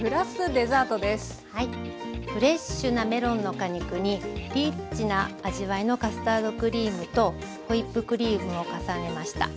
はいフレッシュなメロンの果肉にリッチな味わいのカスタードクリームとホイップクリームを重ねました。